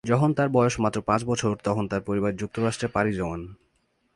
যখন তার বয়স মাত্র পাঁচ বছর তখন তার পরিবার যুক্তরাষ্ট্রে পারি জমান।